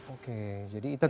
oke jadi itu cukup